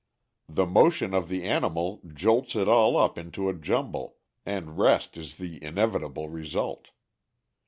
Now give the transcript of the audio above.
The motion of the animal jolts it all up into a jumble, and rest is the inevitable result.